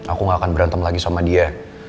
aku gak akan berantem lagi sama dia